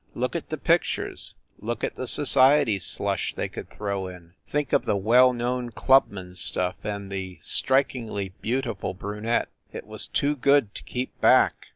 Look at the pictures ! Look at the society slush they could throw in! Think of the "well known clubman" stuff and the "strikingly beautiful brunette." It was too good to keep back.